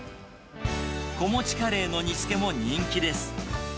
子持ちカレイの煮つけも人気です。